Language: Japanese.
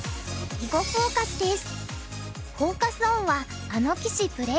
「囲碁フォーカス」です。